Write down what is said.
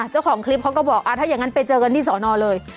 เจ้าของคลิปเขาก็บอกถ้าอย่างนั้นไปเจอกันที่สอนอเลย